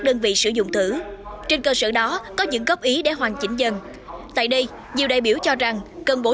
dữ liệu dùng thử trên cơ sở đó có những góp ý để hoàn chỉnh dân tại đây nhiều đại biểu cho rằng cần bổ